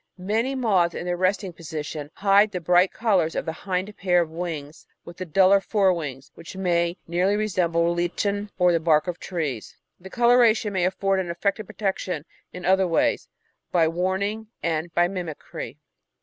Many moths in their resting position hide the bright colours of the hind pair of wings with the duller fore wings, which may nearly resemble lichen or the bark of trees. The coloration may afford an effective protection in other ways, by Warning and by Mimicry.